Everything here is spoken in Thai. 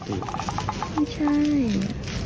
ไม่ใช่